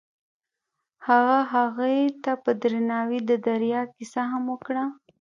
هغه هغې ته په درناوي د دریا کیسه هم وکړه.